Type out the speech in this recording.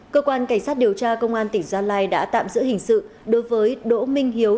cơ quan cảnh sát điều tra công an tỉnh gia lai đã tạm giữ hình sự đối với đỗ minh hiếu